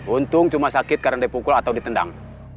untung cuma sakit karena dipukul atau ditendang